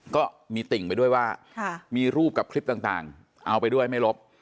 ก็มีติ่งไปด้วยว่ามีรูปกับคลิปต่างเอาไปด้วยไม่ลบ